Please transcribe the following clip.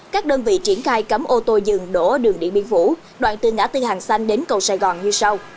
các đơn vị triển khai cấm ô tô dừng đổ đường điện biên phủ đoạn từ ngã tư hàng xanh đến cầu sài gòn như sau